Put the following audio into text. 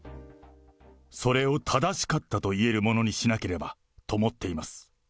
それを正しかったと言えるものにしなければと思っています。